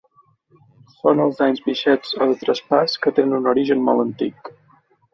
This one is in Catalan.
Són els anys bixests o de traspàs, que tenen un origen molt antic.